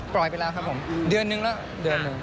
ไปแล้วครับผมเดือนนึงแล้วเดือนหนึ่ง